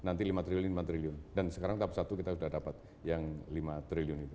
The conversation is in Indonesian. nanti rp lima triliun rp lima triliun dan sekarang tahap satu kita sudah dapat yang rp lima triliun